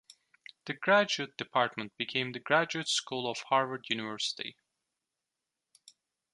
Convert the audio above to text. The Graduate Department became the Graduate School of Harvard University.